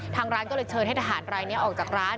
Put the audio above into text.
เขาก็เลยเชิญให้ทหารไลน์เนี่ยออกจากร้าน